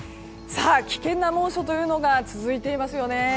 危険な猛暑が続いていますよね。